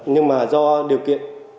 nhưng mà do điều kiện